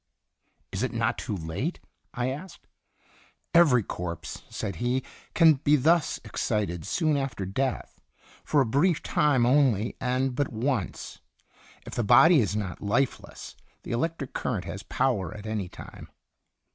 " Is it not too late ?" I asked. " Every corpse," said he, "can be thus excited soon after death, for a brief time only, and but once. If the body is not lifeless, the electric current has power at any time."